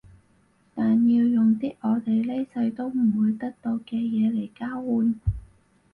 但要用啲我哋呢世都唔會得到嘅嘢嚟交換